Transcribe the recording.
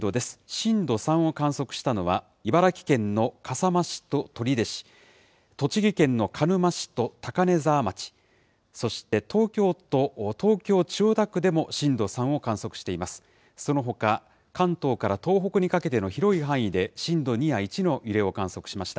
震度３を観測したのは、茨城県の笠間市と取手市、栃木県の鹿沼市と高根沢町、そして東京都、東京・千代田区でも震度３を観測しています。